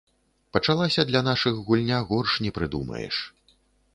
Пачалася для нашых гульня горш не прыдумаеш.